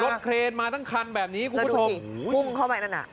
รถเครนมาตั้งคันแบบนี้คุณผู้ชมแล้วดูสิพุ่งเข้ามาไหนนั่นอ่ะ